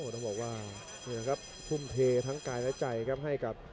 ต้องบอกว่าพุ่มเททั้งกายและใจให้กับ